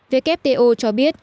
vkto cho biết